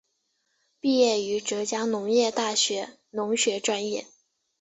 毕业于浙江农业大学农学专业。